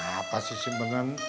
apa sih simpenan